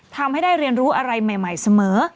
ทำให้ได้เรียนรู้อะไรใหม่เสมอ